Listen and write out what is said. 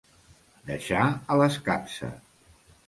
Deixar a l'escapça.